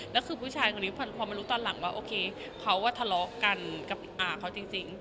แล้วคือผู้ชายคนนี้พอมารู้ตอนหลังว่าโอเคเขาว่าทะเลาะกันกับเขาจริง